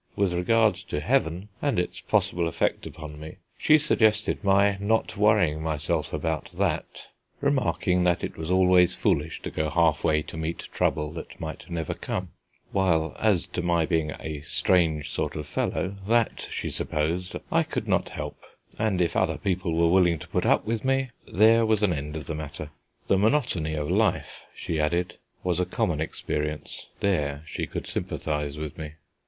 With regard to heaven and its possible effect upon me, she suggested my not worrying myself about that, remarking it was always foolish to go half way to meet trouble that might never come; while as to my being a strange sort of fellow, that, she supposed, I could not help, and if other people were willing to put up with me, there was an end of the matter. The monotony of life, she added, was a common experience; there she could sympathise with me.